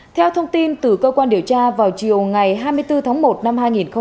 theo thông tin từ cơ quan điều tra vào chiều ngày hai mươi bốn tháng một năm hai nghìn hai mươi